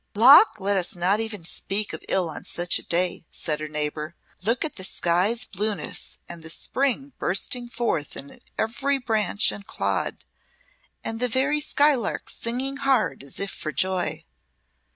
"Lawk! let us not even speak of ill on such a day," said her neighbour. "Look at the sky's blueness and the spring bursting forth in every branch and clod and the very skylarks singing hard as if for joy."